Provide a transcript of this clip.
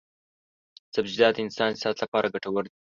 سبزیجات د انسان صحت لپاره ګټور دي.